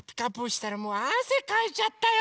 したらもうあせかいちゃったよ！